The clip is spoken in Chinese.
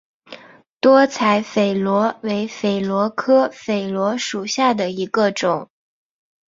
多彩榧螺为榧螺科榧螺属下的一个种。